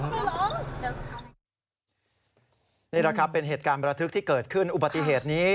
นี่แหละครับเป็นเหตุการณ์ประทึกที่เกิดขึ้นอุบัติเหตุนี้